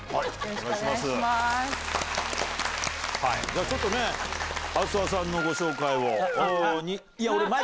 じゃあちょっとね梓沢さんのご紹介を。